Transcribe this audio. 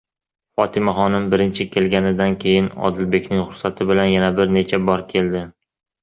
fotimaxonim birinchi kelganidan keyin Odilbekning ruxsati bilan yana bir necha bor keldi.